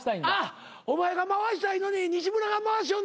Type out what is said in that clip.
お前が回したいのに西村が回しよんのか。